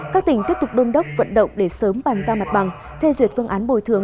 các tỉnh tiếp tục đôn đốc vận động để sớm bàn giao mặt bằng phê duyệt phương án bồi thường